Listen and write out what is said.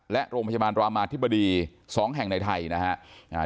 และโรงพยาบาลรามาธิบดี๒แห่งในไทยนะครับ